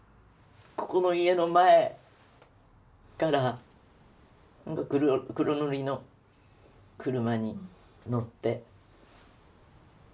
ここの家の前から黒塗りの車に乗って。